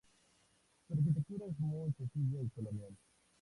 Su arquitectura es muy sencilla y colonial.